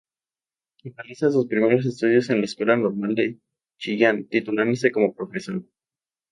Realiza sus primeros estudios en la Escuela Normal de Chillán, titulándose como profesor.